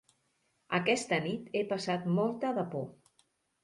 Aquesta nit he passat molta de por.